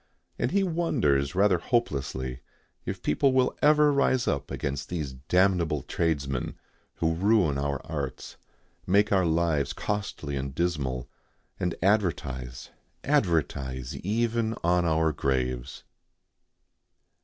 And he wonders rather hopelessly if people will ever rise up against these damnable tradesmen who ruin our arts, make our lives costly and dismal, and advertise, advertise even on our graves.